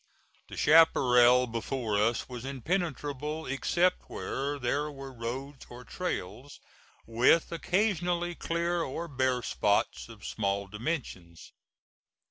The chaparral before us was impenetrable except where there were roads or trails, with occasionally clear or bare spots of small dimensions.